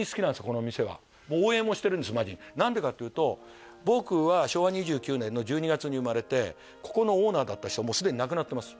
このお店は応援もしてるんですマジ何でかっていうと僕は昭和２９年の１２月に生まれてここのオーナーだった人もうすでに亡くなってます